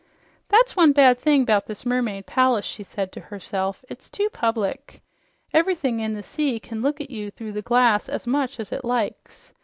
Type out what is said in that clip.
"That's one bad thing 'bout this mermaid palace," she said to herself. "It's too public. Ever'thing in the sea can look at you through the glass as much as it likes.